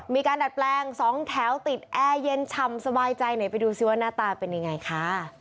ดัดแปลงสองแถวติดแอร์เย็นฉ่ำสบายใจไหนไปดูซิว่าหน้าตาเป็นยังไงค่ะ